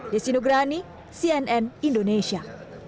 desino grani cnn indonesia